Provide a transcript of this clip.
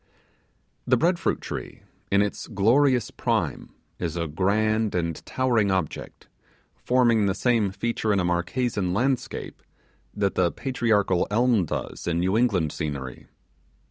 The bread fruit tree, in its glorious prime, is a grand and towering object, forming the same feature in a Marquesan landscape that the patriarchal elm does in New England scenery.